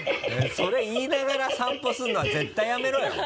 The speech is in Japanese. それ言いながら散歩するのは絶対やめろよ。